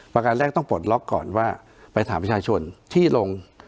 ประการแรกต้องปลดล็อกก่อนว่าไปถามประชาชนที่ลง